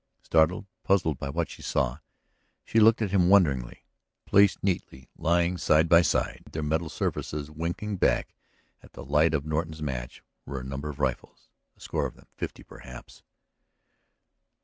Startled, puzzled by what she saw, she looked to him wonderingly. Placed neatly, lying side by side, their metal surfaces winking back at the light of Norton's match, were a number of rifles. A score of them, fifty, perhaps.